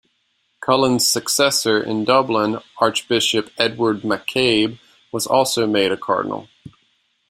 Cullen's successor in Dublin, Archbishop Edward MacCabe was also made a cardinal.